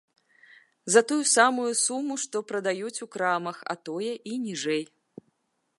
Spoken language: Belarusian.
За тую самую суму, што прадаюць у крамах, а тое і ніжэй!